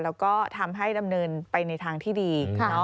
แล้วก็ทำให้ดำเนินไปในทางที่ดี